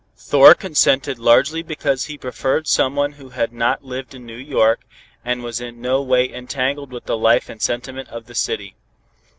Thor consented largely because he preferred some one who had not lived in New York, and was in no way entangled with the life and sentiment of the city.